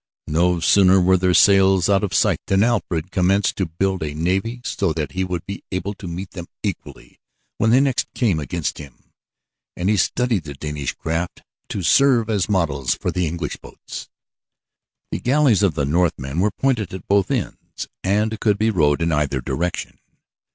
No sooner were their sails out of sight than Alfred commenced to build a navy so that he would be able to meet them equally when they next came against him, and he studied the Danish craft to serve as models for the English boats. The galleys of the Northmen were pointed at both ends and could be rowed in either direction.